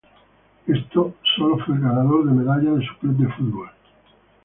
Esto sólo fue el ganador de medalla de su club de fútbol.